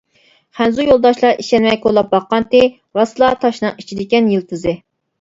خەنزۇ يولداشلار ئىشەنمەي كولاپ باققانتى راسلا تاشنىڭ ئىچىدىكەن يىلتىزى.